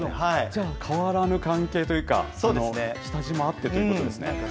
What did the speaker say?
じゃあ変わらぬ関係というか、下地もあってということですか。